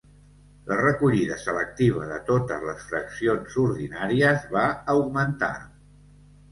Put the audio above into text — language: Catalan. La recollida selectiva de totes les fraccions ordinàries va augmentar.